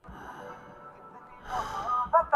امرا اور اشرافیہ کا تو کچھ نہیں جاتا۔